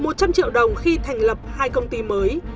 một trăm linh triệu đồng khi thành lập hai công ty mới